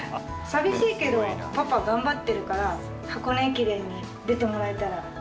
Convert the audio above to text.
寂しいけどパパ頑張ってるから、箱根駅伝に出てもらえたら。